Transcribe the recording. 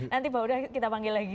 nanti pak uda kita panggil lagi